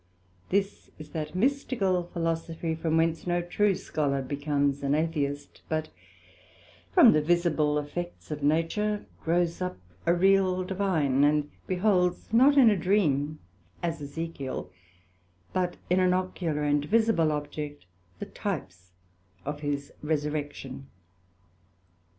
This is that mystical Philosophy, from whence no true Scholar becomes an Atheist, but from the visible effects of nature grows up a real Divine, and beholds not in a dream, as Ezekiel, but in an ocular and visible object the types of his resurrection.